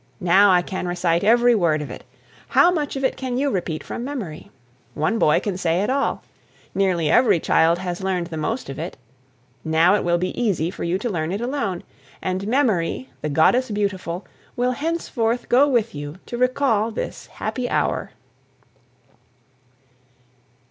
Now, I can recite every word of it. How much of it can you repeat from memory? One boy can say it all. Nearly every child has learned the most of it. Now, it will be easy for you to learn it alone. And Memory, the Goddess Beautiful, will henceforth go with you to recall this happy hour.